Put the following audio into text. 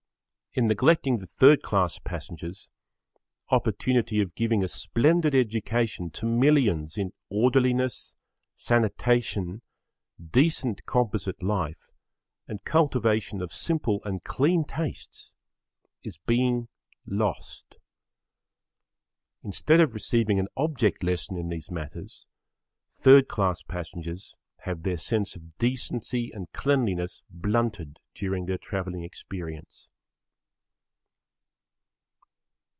In neglecting the third class passengers, opportunity of giving a splendid education to millions in orderliness, sanitation, decent composite life and cultivation of simple and clean tastes is being lost. Instead of receiving an object lesson in these matters third class passengers have their sense of decency and cleanliness blunted during their travelling experience.